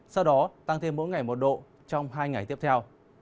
sau đó tăng thêm mỗi ngày một độ trong hai ngày tiếp theo